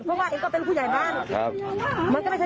แล้วต้องขอบลูกลูกเราก่อน